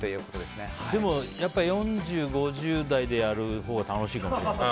でも４０、５０代でやるほうが楽しいかもしれない。